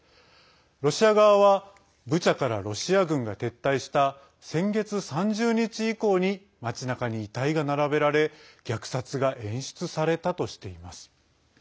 ロシア側はブチャからロシア軍が撤退した先月３０日以降に町なかに遺体が並べられ虐殺が演出されたとしています。